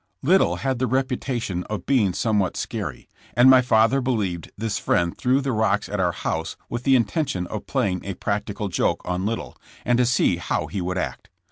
Liddill had the reputation of being somewhat scary, and my father believed this friend threw the rocks at our house with the intention of playing a practical joke on Liddill, and to see how he would act.